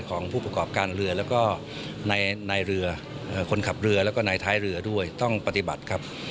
ของผู้ประกอบการเรือแล้วก็ในเรือคนขับเรือแล้วก็นายท้ายเรือด้วยต้องปฏิบัติครับ